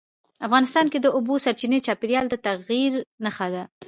افغانستان کې د اوبو سرچینې د چاپېریال د تغیر نښه ده.